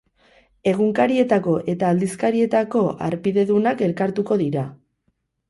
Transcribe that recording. Egunkarietako eta aldizkarietako harpidedunak elkartuko dira.